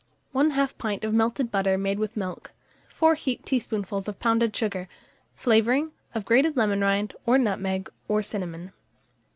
1/2 pint of melted butter made with milk, 4 heaped teaspoonfuls of pounded sugar, flavouring; of grated lemon rind, or nutmeg, or cinnamon.